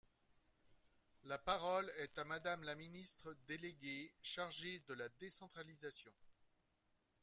La parole est à Madame la ministre déléguée chargée de la décentralisation.